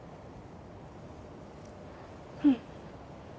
うん。